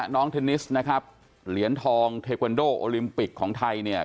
เทนนิสนะครับเหรียญทองเทควันโดโอลิมปิกของไทยเนี่ย